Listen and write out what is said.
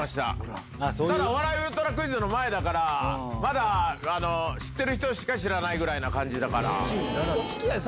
『お笑いウルトラクイズ‼』の前だから知ってる人しか知らないぐらいな感じ。